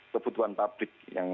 kebutuhan pabrik yang